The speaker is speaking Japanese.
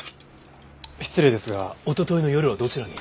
失礼ですがおとといの夜はどちらに？